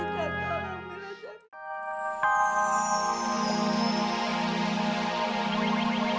terima kasih mas